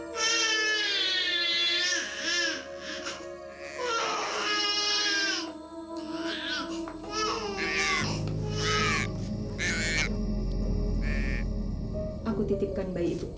dan saya akan menemukan bung